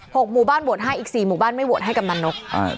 หมู่บ้านโหวตให้อีกสี่หมู่บ้านไม่โหวตให้กำนันนกอ่า